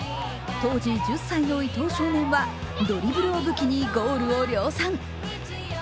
当時１０歳の伊東少年はドリブルをブキにゴールを量産。